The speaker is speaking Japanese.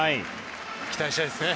期待したいですね。